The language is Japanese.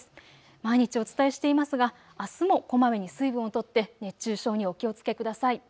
毎日お伝えしていますがあすもこまめに水分をとって熱中症にお気をつけください。